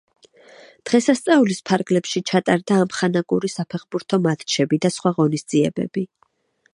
დღესასწაულის ფარგლებში ჩატარდა ამხანაგური საფეხბურთო მატჩები და სხვა ღონისძიებები.